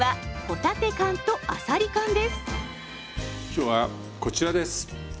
今日はこちらです。